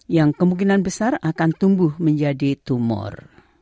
yang kemungkinan besar akan tumbuh menjadi tumor